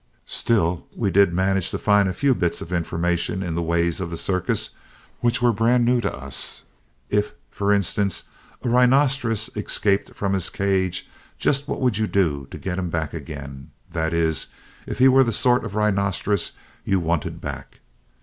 Still we did manage to find a few bits of information in The Ways of the Circus which were brand new to us. If, for instance, a rhinoceros escaped from his cage just what would you do to get him back again? That is, if he were the sort of rhinoceros you wanted back.